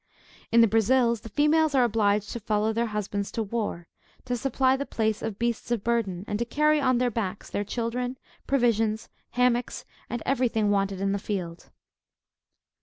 In the Brazils, the females are obliged to follow their husbands to war, to supply the place of beasts of burden, and to carry on their backs their children, provisions, hammocks, and every thing wanted in the field.